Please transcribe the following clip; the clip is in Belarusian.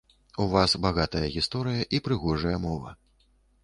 У вас багатая гісторыя і прыгожая мова.